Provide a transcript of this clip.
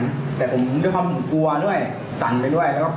ผมก็ถามคนเดียวไม่ไหวนะพี่